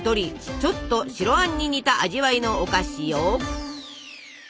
ちょっと白あんに似た味わいのお菓子よ。